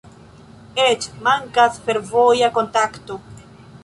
Eĉ mankas fervoja kontakto.